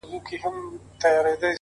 o زه د ملي بیرغ په رپ ـ رپ کي اروا نڅوم،